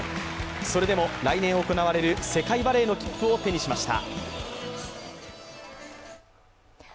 それでも来年行われる世界バレーの切符を手にしました。